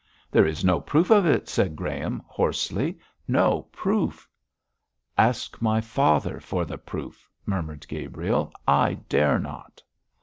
'There is no proof of it,' said Graham, hoarsely; 'no proof.' 'Ask my father for the proof,' murmured Gabriel. 'I dare not!'